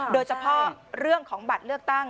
โดยเฉพาะเรื่องของบัตรเลือกตั้ง